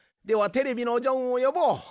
ではテレビのジョンをよぼう。